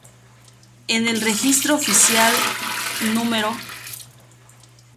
En el Registro Oficial No.